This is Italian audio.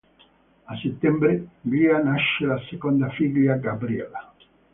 A settembre gli nasce la seconda figlia, Gabriella.